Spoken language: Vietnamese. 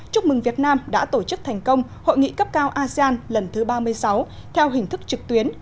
chúc mừng việt nam đã tổ chức thành công hội nghị cấp cao asean lần thứ ba mươi sáu theo hình thức trực tuyến